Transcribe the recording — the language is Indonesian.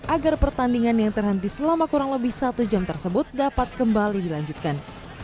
agar pertandingan yang terhenti selama kurang lebih satu jam tersebut dapat kembali dilanjutkan